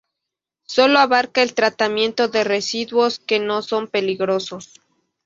Sólo abarca el tratamiento de residuos que no son peligrosos.